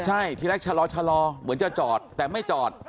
ใช่ทีแรกชะลอเหมือนจะจอดแต่ไม่จอด